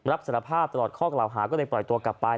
รับสารภาพตลอดข้อกล่าวหาก็เลยปล่อยตัวกลับไป